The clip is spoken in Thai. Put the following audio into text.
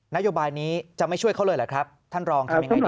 นโยบายนี้จะไม่ช่วยเขาเลยเหรอครับท่านรองทำยังไงดี